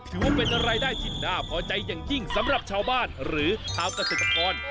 ถือว่าเป็นรายได้ที่น่าพอใจอย่างยิ่งสำหรับชาวบ้านหรือชาวเกษตรกร